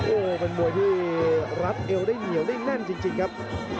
โอ้โหเป็นมวยที่รัดเอวได้เหนียวได้แน่นจริงครับ